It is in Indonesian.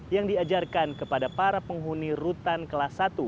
yang diajarkan kepada para penghuni rutan kelas satu